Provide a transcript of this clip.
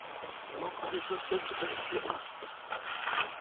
Magera served as the Asst.